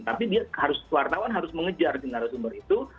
tapi dia harus wartawan harus mengejar sinar sumber itu